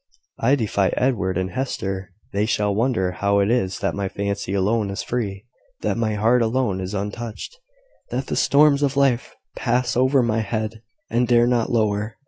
"I defy Edward and Hester: they shall wonder how it is that my fancy alone is free, that my heart alone is untouched, that the storms of life pass high over my head, and dare not lower."